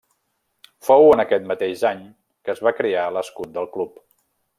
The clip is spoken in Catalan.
Fou en aquest mateix any que es va crear l'escut del Club.